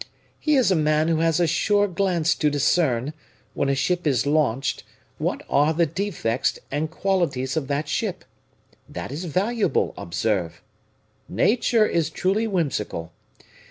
"He is a man who has a sure glance to discern, when a ship is launched, what are the defects and qualities of that ship that is valuable, observe! Nature is truly whimsical.